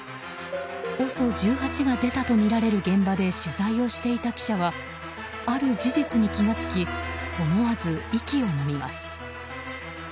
ＯＳＯ１８が出たとみられる現場で取材をしていた記者はある事実に気が付き思わず息をのみます。